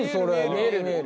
見える見える。